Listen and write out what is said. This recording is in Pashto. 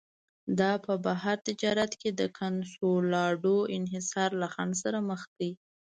دا په بهر تجارت کې د کنسولاډو انحصار له خنډ سره مخ کړي.